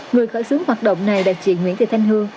người khởi xướng hoạt động này là chị nguyễn thị thanh hương